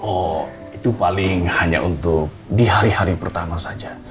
oh itu paling hanya untuk di hari hari pertama saja